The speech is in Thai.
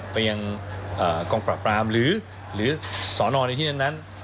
ไปยังกองปราบปรามหรือสอนอในที่นั้น